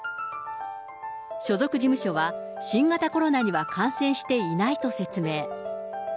所属事務所は新型コロナには感染していないと説明。